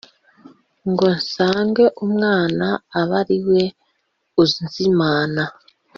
Ngo nsange umwana abariwe unzimana